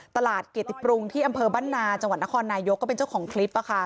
ตลาดเกติปรุงที่อำเภอบ้านนาจังหวัดนครนายกก็เป็นเจ้าของคลิป